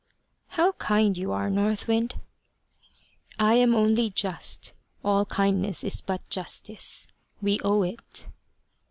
"How kind you are, North Wind!" "I am only just. All kindness is but justice. We owe it."